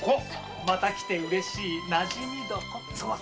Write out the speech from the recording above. また来てうれしい「なじみ床」。